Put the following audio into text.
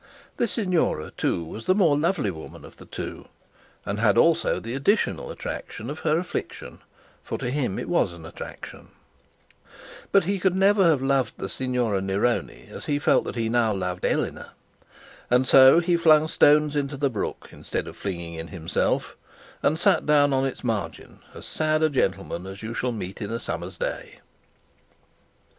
The signora, too, was the more lovely woman of the two, and had also the additional attraction of her affliction; for to him it was an attraction. But he never could have loved the Signora Neroni as he felt that he now loved Eleanor! and so he flung stones into the brook, instead of flinging in himself, and sat down on its margin as sad a gentleman as you shall meet in a summer's day.